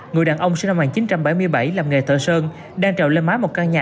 người đàn ông sinh năm một nghìn chín trăm bảy mươi bảy làm nghề thợ sơn đang trèo lên má một căn nhà